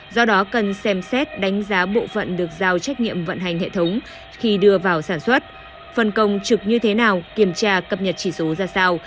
do đó cần xem xét đánh giá bộ phận được giao trách nhiệm vận hành hệ thống khi đưa vào sản xuất phân công trực như thế nào kiểm tra cập nhật chỉ số ra sao